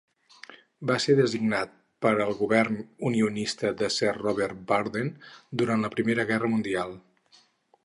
Va ser designat per al govern unionista de Sir Robert Borden durant la Primera Guerra Mundial.